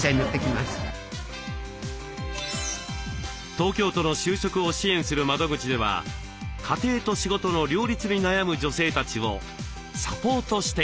東京都の就職を支援する窓口では家庭と仕事の両立に悩む女性たちをサポートしています。